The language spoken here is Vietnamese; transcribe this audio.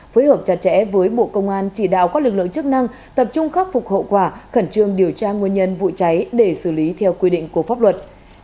phối hợp chặt chẽ với bộ công an chỉ đạo các lực lượng chức năng tập trung khắc phục hậu quả khẩn trương điều tra nguyên nhân vụ cháy để xử lý theo quy định của pháp luật